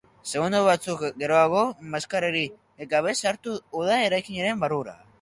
Segundo batzuk geroago, maskararik gabe sartu da eraikinaren barrura.